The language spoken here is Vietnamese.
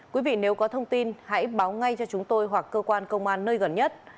quý vị nếu có thông tin hãy báo ngay cho chúng tôi hoặc cơ quan công an nơi gần nhất